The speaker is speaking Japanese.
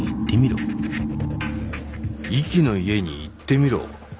「壱岐の家に行ってみろ」？